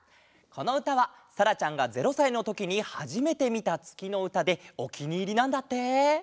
このうたはさらちゃんが０さいのときにはじめてみたつきのうたでおきにいりなんだって！